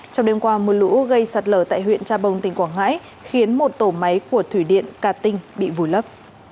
trong đêm qua mưa lũ gây sạt lở tại huyện cha bông tỉnh quảng ngãi khiến một tổ máy của thủy điện cà tinh bị vùi lấp